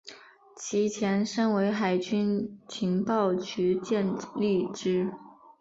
其前身为海军情报局建立之。